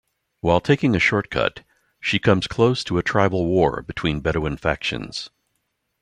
While taking a short-cut, she comes close to a tribal war between Bedouin factions.